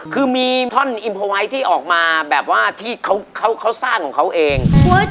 คือมีท่อนอิมเพอร์ไวท์ที่ออกมาแบบว่าที่เขาสร้างของเขาเอง